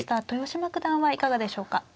豊島九段はいかがでしょうか。